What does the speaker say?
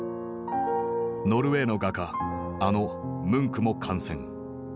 ノルウェーの画家あのムンクも感染。